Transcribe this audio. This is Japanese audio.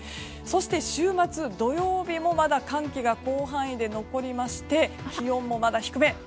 そして、週末土曜日もまだ寒気が広範囲に残りまして気温もまだ低め。